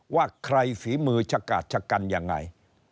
ว่าใครฝีมือชะกาดชะกันยังไง